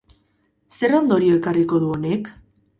Zer ondorio ekarriko du honek?